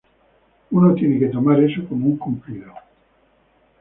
Uno tiene que tomar eso como un cumplido.